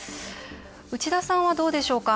内田さんは、どうでしょうか。